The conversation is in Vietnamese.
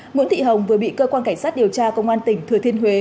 nguyễn thị hồng vừa bị cơ quan cảnh sát điều tra công an tỉnh thừa thiên huế